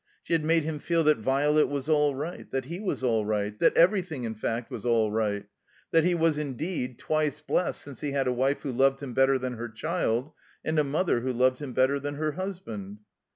She had made him feel that Violet was aU right, that he was all right, that everjrthing, in fact, was all right ; that he was, indeed, twice blest since he had a wife who loved him better than her child, and a mother who loved him better than her husband.